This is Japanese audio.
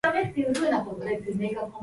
文章を書く